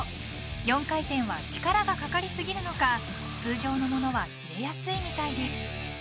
４回転は力がかかりすぎるのか通常のものは切れやすいみたいです。